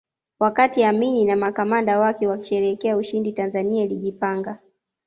Wakati Amini na makamanda wake wakisherehekea ushindi Tanzania ilijipanga